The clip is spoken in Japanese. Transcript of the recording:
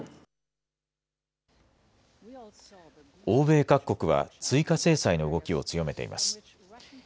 欧米各国は追加制裁の動きを強めています。